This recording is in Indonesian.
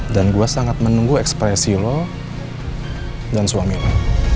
dan gue sangat menunggu ekspresi lo dan suaminya